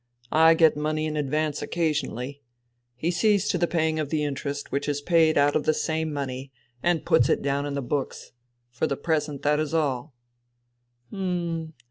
I get money in advance occasionally. He sees to the pay ing of the interest, which is paid out of the same money, and puts it down in the books. For the present that is all."